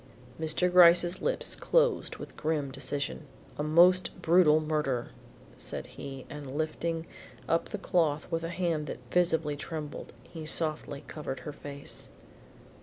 Mr. Gryce's lips closed with grim decision. "A most brutal murder," said he and lifting up the cloth with a hand that visibly trembled, he softly covered her face.